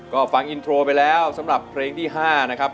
ก็ฟังอินโทรไปแล้วสำหรับเพลงที่๕นะครับ